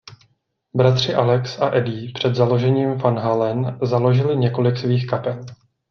Bratři Alex a Eddie před založením Van Halen založili několik svých kapel.